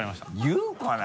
言うかな？